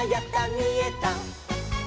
みえた！」